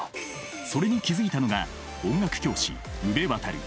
それに気付いたのが音楽教師宇部渉。